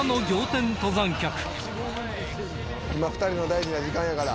今２人の大事な時間やから。